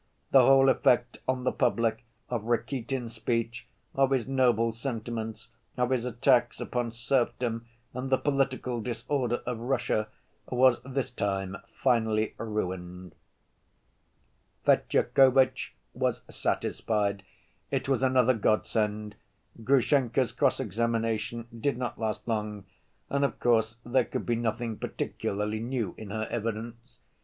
The whole effect on the public, of Rakitin's speech, of his noble sentiments, of his attacks upon serfdom and the political disorder of Russia, was this time finally ruined. Fetyukovitch was satisfied: it was another godsend. Grushenka's cross‐examination did not last long and, of course, there could be nothing particularly new in her evidence.